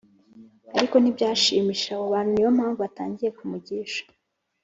ariko ntibyashimishije abo bantu Ni yo mpamvu batangiye kumugisha